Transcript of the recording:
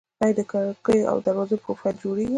آیا د کړکیو او دروازو پروفیل جوړیږي؟